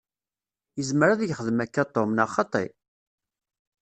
Izmer ad yexdem akka Tom, neɣ xaṭi?